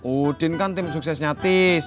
udin kan tim suksesnya tim